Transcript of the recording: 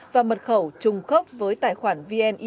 và mật khẩu trùng khớp với tài khoản vned